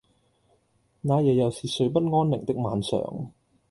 那夜又是睡不安寧的晚上